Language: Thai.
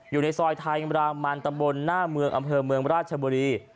อยู่ในซอยไทยรามันตำบลหน้าเมืองอำเภอเมืองราชบุรี